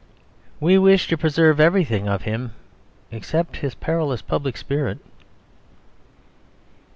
We wish to preserve everything of him, except his perilous public spirit.